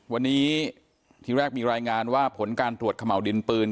วันนี้ทีแรกมีรายงานว่าผลการตรวจขม่าวดินปืน